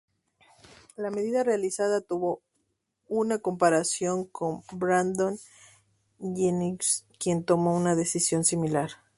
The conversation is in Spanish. La medida realizada tuvo una comparación con Brandon Jennings, quien tomó un decisión similar.